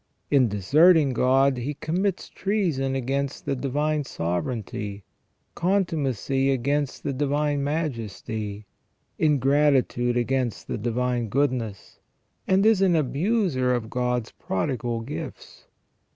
In deserting God he commits treason against the divine sovereignty, contumacy against the divine majesty, ingratitude against the divine goodness, and is an abuser of God's prodigal gifts.